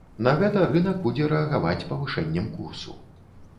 На гэта рынак будзе рэагаваць павышэннем курсу.